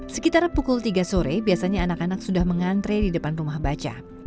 sekitar pukul tiga sore biasanya anak anak sudah mengantre di depan rumah baca